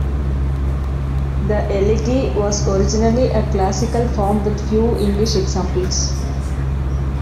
The "elegy" was originally a classical form with few English examples.